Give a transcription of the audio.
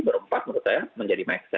berempat menurut saya menjadi make sen